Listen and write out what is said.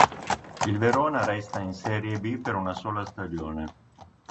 Il Verona resta in Serie B per una sola stagione.